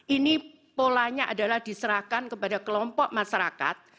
ini polanya adalah diserahkan kepada kelompok masyarakat